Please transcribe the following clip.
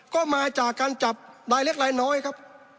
ก็มาจากการจับรายเล็กรายน้อยครับ